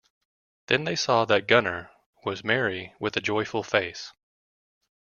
Then they saw that Gunnar was merry, with a joyful face.